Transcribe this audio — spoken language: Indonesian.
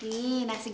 ya udah yuk